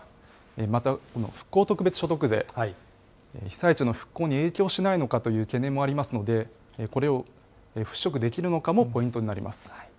またこの復興特別所得税、被災地の復興に影響しないのかという懸念もありますので、これを払拭できるのかもポイントになります。